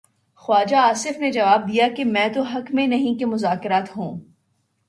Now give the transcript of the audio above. خواجہ آصف نے جواب دیا کہ میں تو حق میں نہیں کہ مذاکرات ہوں۔